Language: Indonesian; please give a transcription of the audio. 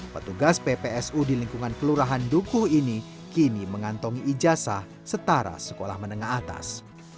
petugas ppsu di lingkungan kelurahan dukuh ini kini mengantongi ijazah setara sekolah menengah atas